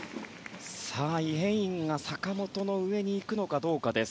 イ・ヘインが坂本の上にいくのかどうかです。